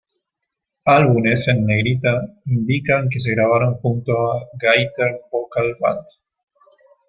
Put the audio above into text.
Álbumes en negrita indican que se grabaron junto a Gaither Vocal Band.